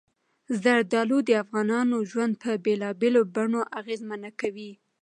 زردالو د افغانانو ژوند په بېلابېلو بڼو اغېزمن کوي.